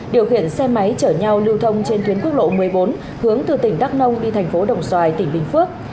điều khiển xe máy chở nhau lưu thông trên tuyến quốc lộ một mươi bốn hướng từ tỉnh đắk nông đi thành phố đồng xoài tỉnh bình phước